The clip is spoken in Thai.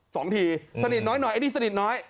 สองทีสนิทน้อยหน่อยไอ้นี่สนิทน้อย